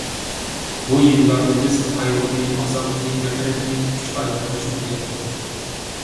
بۇ يىللاردا بىز قايغۇنى، ئازابنى، نەپرەتنى كۈچكە ئايلاندۇرۇشنى ئۆگەندۇق.